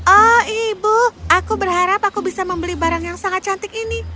oh ibu aku berharap aku bisa membeli barang yang sangat cantik ini